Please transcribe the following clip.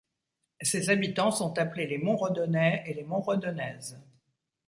Ses habitants sont appelés les Montredonnais et les Montredonnaises.